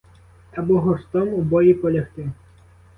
Або гуртом у бої полягти.